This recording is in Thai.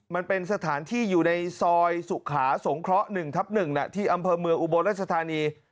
มันเป็นสถานที่อยู่ในซอยสุขาสงเคราะห์๑ทับ๑ที่อำเภอเมืองอุบลรัชธานี